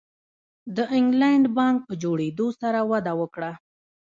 د انګلینډ بانک په جوړېدو سره وده وکړه.